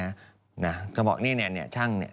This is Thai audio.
น่ะนะคะนี่เช่งเนี่ย